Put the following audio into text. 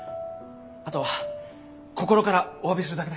あとは心からおわびするだけです。